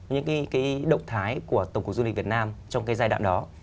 những cái động thái của tổng cục du lịch việt nam trong cái giai đoạn đó